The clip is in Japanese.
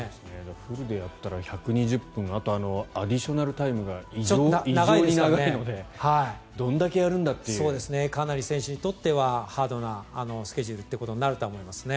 フルでやったら１２０分あとアディショナルタイムが異常に長いのでかなり選手にとってはハードなスケジュールということにはなると思いますね。